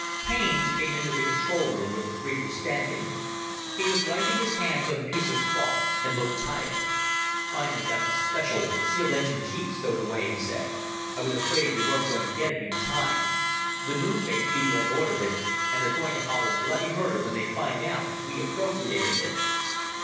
Haines came into the control room where the three were standing. He was wiping his hands on a piece of cloth, and looked tired. "Finally got the special, sealed engine jeep stowed away," he said. "I was afraid we weren't going to get it in time. The Moon base people had ordered it, and they're going to holler bloody murder when they find out we appropriated it."